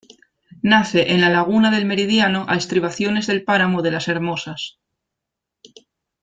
Nace en la laguna del meridiano a estribaciones del Páramo de Las Hermosas.